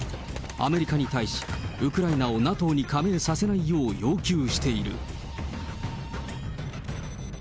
アメリカに対し、ウクライナをＮＡＴＯに加盟させないよう要求している。